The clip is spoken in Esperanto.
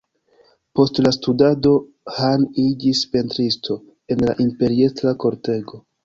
Post la studado, Han iĝis pentristo en la imperiestra kortego.